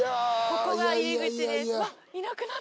ここが入り口です。